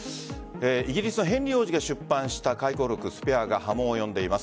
イギリスのヘンリー王子が出版した回顧録「スペア」が波紋を呼んでいます。